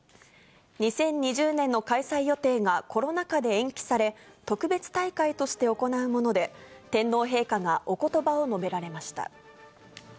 ２０２０年の開催予定が、コロナ禍で延期され、特別大会として行うもので、天皇陛下がおことばを述べられました。